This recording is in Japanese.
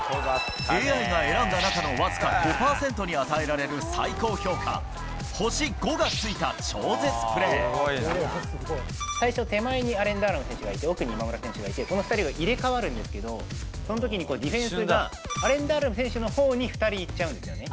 ＡＩが選んだ中の僅か５％に与えられる最高評価、最初、手前にアレン選手がいて、その横の今村選手がいて、この２人が入れ代わるんですけど、そのときにディフェンスがアレン・ダロン選手のほうに２人行っちゃうんですよね。